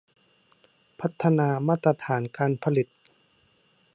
พัฒนามาตรฐานการผลิต